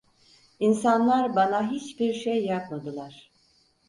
İnsanlar bana hiçbir şey yapmadılar…